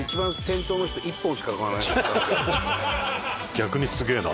逆にすげえな。